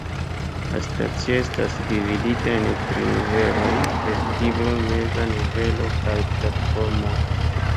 La stacio estas dividita en tri nivelojn: vestiblo, meza nivelo kaj platformoj.